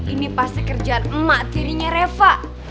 ini pasti kerjaan emak tirinya reva